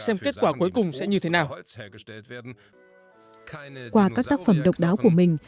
xem kết quả cuối cùng sẽ như thế nào qua các tác phẩm độc đáo của mình